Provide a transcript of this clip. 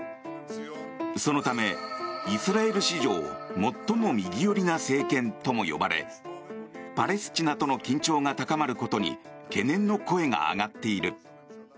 そのため、イスラエル史上最も右寄りな政権とも呼ばれパレスチナとの緊張が高まることに懸念の声が上がっている。